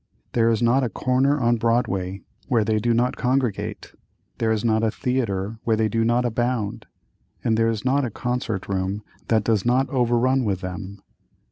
There is not a corner on Broadway where they do not congregate; there is not a theatre where they do not abound, and there is not a concert room that does not overrun with them.